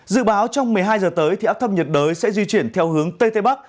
dự báo trong một mươi hai giờ tới thì áp thấp nhiệt đới sẽ di chuyển theo hướng tây tây bắc